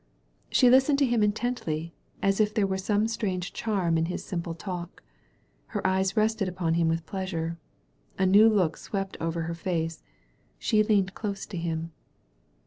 She listened to him intently, as if there were some strange charm in his simple talk. Her eyes rested upon him with pleasure. A new look swept over her face. She leaned close to him.